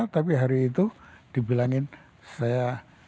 tapi hari itu dibilangin saya